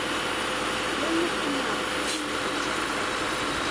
¡Yanukunapaq kulluta chiqtay!